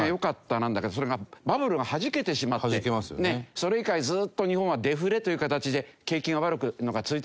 なんだけどそれがバブルがはじけてしまってそれ以来ずーっと日本はデフレという形で景気が悪いのが続いてきたでしょ。